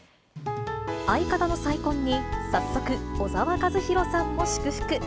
相方の再婚に、早速、小沢一敬さんも祝福。